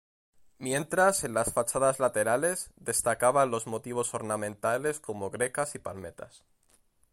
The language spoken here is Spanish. Mientras, en las fachadas laterales, destacaban los motivos ornamentales como grecas y palmetas.